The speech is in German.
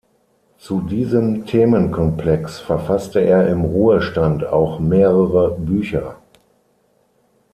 Zu diesem Themenkomplex verfasste er im Ruhestand auch mehrere Bücher.